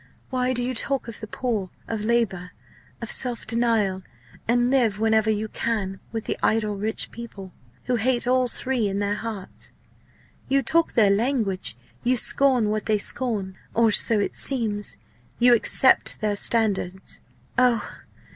Why do you talk of the poor, of labour, of self denial, and live whenever you can with the idle rich people, who hate all three in their hearts? You talk their language; you scorn what they scorn, or so it seems; you accept their standards. Oh!